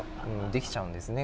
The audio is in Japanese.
できちゃうんですね